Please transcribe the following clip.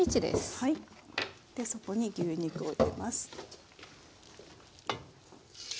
でそこに牛肉を入れます。